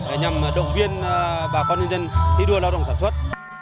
để nhằm động viên bà con nhân dân thi đua lao động sản xuất